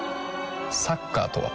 サッカーとは？